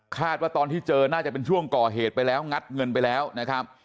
ว่าตอนที่เจอน่าจะเป็นช่วงก่อเหตุไปแล้วงัดเงินไปแล้วนะครับ